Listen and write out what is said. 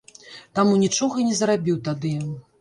Таму нічога і не зарабіў тады.